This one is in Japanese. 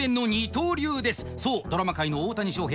そうドラマ界の大谷翔平。